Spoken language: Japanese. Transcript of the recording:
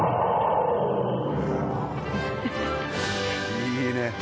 いいね！